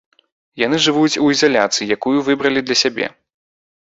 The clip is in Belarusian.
Яны жывуць у ізаляцыі, якую выбралі для сябе.